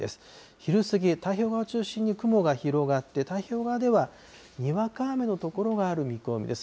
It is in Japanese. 昼過ぎ、太平洋側を中心に雲が広がって、太平洋側ではにわか雨の所がある見込みです。